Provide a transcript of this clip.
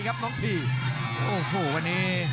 กับน้องพี่โอ้โหวันนี้